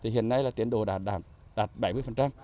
hiện nay tiến độ đã đạt bảy mươi